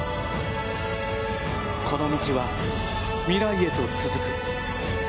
この道は、未来へと続く。